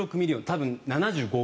多分７５億